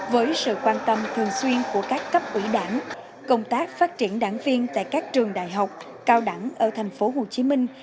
với sự quan tâm thường xuyên của các cấp ủy đảng công tác phát triển đảng viên tại các trường đại học cao đẳng ở thành phố hồ chí minh